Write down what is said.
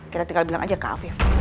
kita tinggal bilang aja ke afif